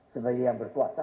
sebenarnya yang berkuasa